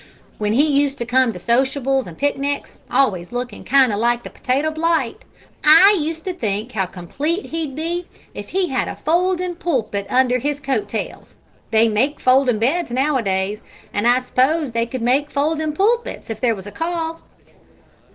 When he used to come to sociables and picnics, always lookin' kind o' like the potato blight, I used to think how complete he'd be if he had a foldin' pulpit under his coat tails; they make foldin' beds nowadays, an' I s'pose they could make foldin' pulpits, if there was a call."